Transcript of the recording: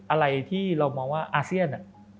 อะไรที่เรามองว่าอาเซียน